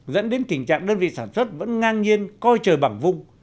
dẫn đến tình trạng đơn vị sản xuất vẫn ngang nhiên coi trời bằng vung